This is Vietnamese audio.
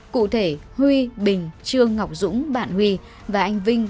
cụ thể huy bình trương ngọc dũng bạn huy và anh vinh